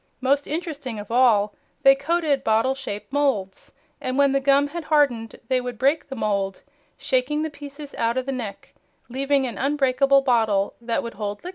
Most interesting of all, they coated bottle shaped moulds, and when the gum had hardened they would break the mould, shaking the pieces out of the neck, leaving an unbreakable bottle that would hold liquids.